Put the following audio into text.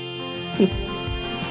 うん。